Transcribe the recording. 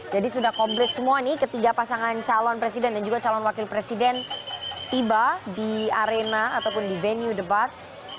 jadi sudah komplit semua nih ketiga pasangan calon presiden dan juga calon wakil presiden tiba di arena ataupun di venue debat